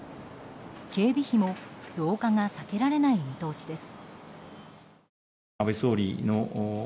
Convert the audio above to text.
警備費も増加が避けられない見通しです。